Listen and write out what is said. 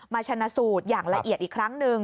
ชนะสูตรอย่างละเอียดอีกครั้งหนึ่ง